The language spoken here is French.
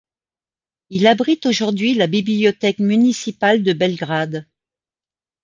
Il abrite aujourd'hui la Bibliothèque municipale de Belgrade.